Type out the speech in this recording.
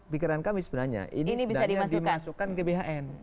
pikiran kami sebenarnya ini sebenarnya dimasukkan gbhn